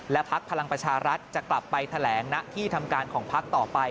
และพักพลังประชารัฐจะกลับไปแถลงณที่ทำการของพักต่อไป